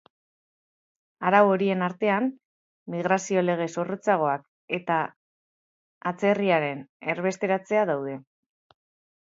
Arau horien artean, migrazio-lege zorrotzagoak eta atzerrarien erbesteratzea daude.